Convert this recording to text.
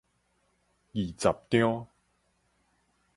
二十張